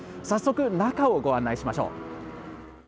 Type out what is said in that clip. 早速、中をご案内しましょう。